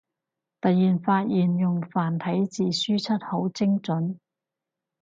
突然發現用繁體字輸出好精准